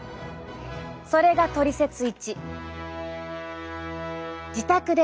それがトリセツ１。